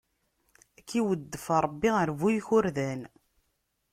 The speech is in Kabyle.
Ad k-iweddef Ṛebbi ar bu ikurdan!